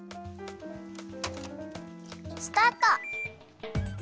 スタート！